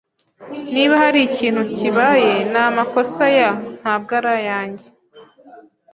Niba hari ikintu kibaye, ni amakosa ya , ntabwo ari ayanjye.